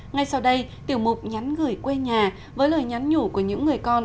ngay sau đây tiểu mục nhắn gửi quê nhà với lời nhắn nhủ của những người con